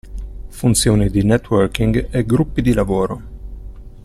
Funzioni di networking e gruppi di lavoro.